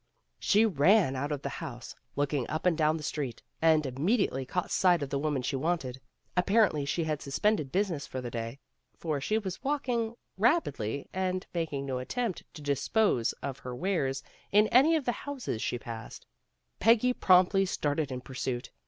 She ran out of the house, looking up and down the street, and immediately caught sight of the woman she wanted. Apparently she had sus pended business for the day, for she was walk ing, rapidly and making no attempt to dispose of her wares in any of the houses slier passed. Peggy promptly started in pursuit.